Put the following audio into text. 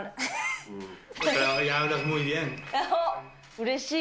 うれしい。